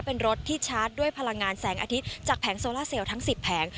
เป็นรถที่ชาร์จด้วยพลังงานแสงอาทิตย์จากแผงโซล่าเซลทั้ง๑๐แผง